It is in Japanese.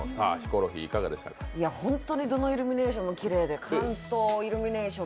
どのイルミネーションもきれいで、関東イルミネーション